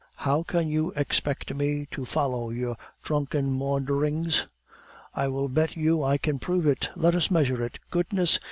"How can you expect me to follow your drunken maunderings?" "I will bet you I can prove it. Let us measure it " "Goodness!